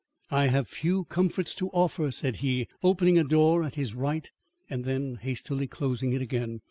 "I have few comforts to offer," said he, opening a door at his right and then hastily closing it again.